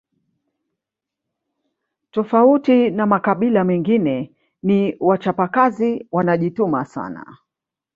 Tofauti na makabila mengine ni wachapakazi wanajituma sana